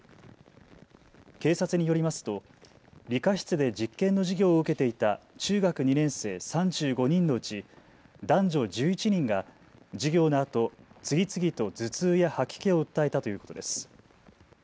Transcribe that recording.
警察によりますと理科室で実験の授業を受けていた中学２年生３５人のうち男女１１人が授業のあと次々と頭痛や吐き気を訴えたということです。